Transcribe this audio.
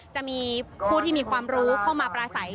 จะมีผู้ที่มีความรู้เข้ามาปราศัย